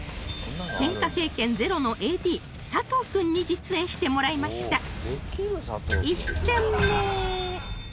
ケンカ経験ゼロの ＡＤ 佐藤君に実演してもらいました